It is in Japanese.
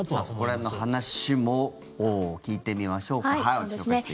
そこら辺の話も聞いてみましょうか。